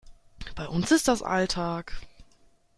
Bei uns ist das Alltag.